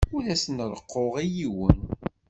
Ur as-reqquɣ i yiwen.